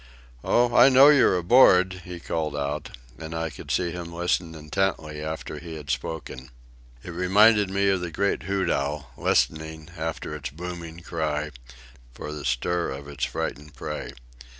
"Oh, I know you're aboard," he called out, and I could see him listen intently after he had spoken. It reminded me of the great hoot owl, listening, after its booming cry, for the stir of its frightened prey.